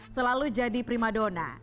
selalu jadi primadona